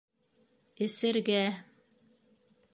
Эсергә...